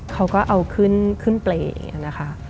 เขาก็เอาขึ้นเปรย์อย่างนี้นะคะ